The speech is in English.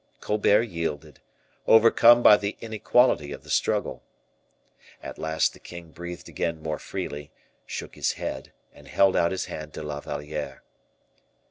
Colbert yielded, overcome by the inequality of the struggle. At last the king breathed again more freely, shook his head, and held out his hand to La Valliere.